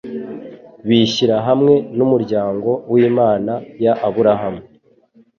bishyira hamwe n’umuryango w’Imana ya Abrahamu